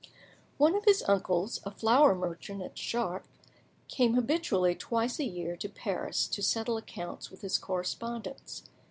One of his uncles, a flour merchant at Chartres, came habitually twice a year to Paris to settle accounts with his correspondents.